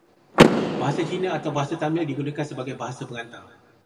Bahasa Cina atau Bahasa Tamil digunakan sebagai bahasa pengantar.